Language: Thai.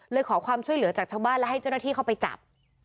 ขอความช่วยเหลือจากชาวบ้านและให้เจ้าหน้าที่เข้าไปจับ